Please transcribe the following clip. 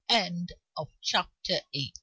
Chapter IX.